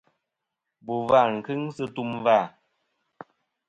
Bò vâ nɨn kɨŋ sɨ tum vâ.